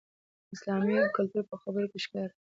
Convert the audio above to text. اسلامي کلتور په خبرو کې ښکاري.